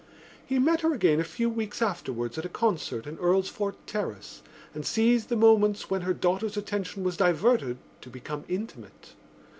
He met her again a few weeks afterwards at a concert in Earlsfort Terrace and seized the moments when her daughter's attention was diverted to become intimate.